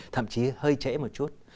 thậm chí hơi trễ một chút